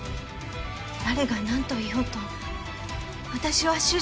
誰がなんと言おうと私は主人を。